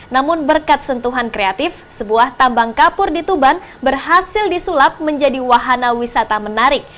namun berkat sentuhan kreatif sebuah tambang kapur di tuban berhasil disulap menjadi wahana wisata menarik